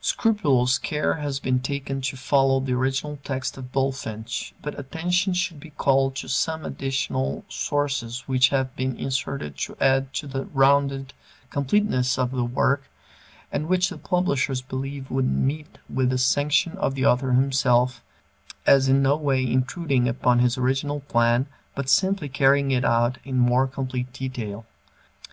Scrupulous care has been taken to follow the original text of Bulfinch, but attention should be called to some additional sections which have been inserted to add to the rounded completeness of the work, and which the publishers believe would meet with the sanction of the author himself, as in no way intruding upon his original plan but simply carrying it out in more complete detail.